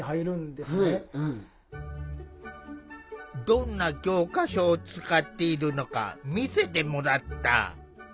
どんな教科書を使っているのか見せてもらった。